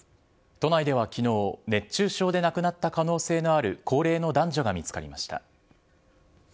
都内ではきのう、熱中症で亡くなった可能性のある高齢の男女が見つかりました。